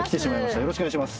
よろしくお願いします